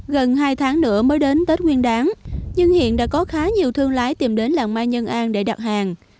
gần hai tháng nữa mới đến tết nguyên đáng nhưng hiện đã có khá nhiều thương lái tìm đến làng mai nhân an để đặt hàng